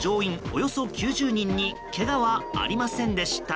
およそ９０人にけがはありませんでした。